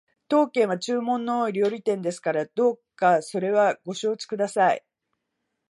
当軒は注文の多い料理店ですからどうかそこはご承知ください